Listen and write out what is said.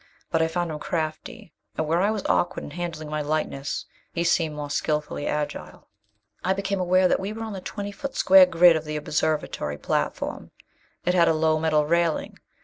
But I found him crafty, and where I was awkward in handling my lightness, he seemed more skillfully agile. I became aware that we were on the twenty foot square grid of the observatory platform. It had a low metal railing.